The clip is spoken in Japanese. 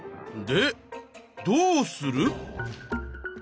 でどうする？